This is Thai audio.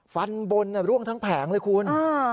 ฟันบนร่วงทั้งแผงเลยคุณ